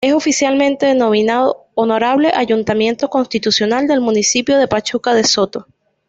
Es oficialmente denominado "Honorable Ayuntamiento Constitucional del Municipio de Pachuca de Soto".